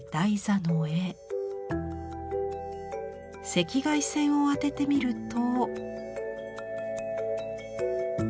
赤外線を当ててみると。